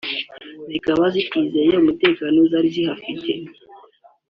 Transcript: zikaba zitakizeye umutekano zari zihafite